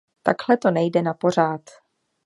Takhle to nejde napořád.